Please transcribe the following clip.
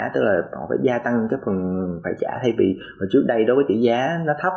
tức là họ phải gia tăng cái phần phải trả thay vì trước đây đối với tỷ giá nó thấp